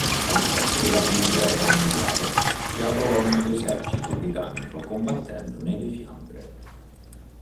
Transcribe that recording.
Allo scoppio della prima guerra mondiale si arruolò nell'esercito britannico combattendo nelle Fiandre.